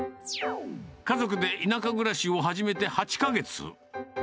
家族で田舎暮らしを始めて８か月。